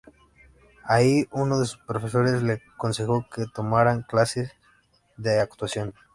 Ahí, uno de sus profesores le aconsejó que tomara clases de actuación.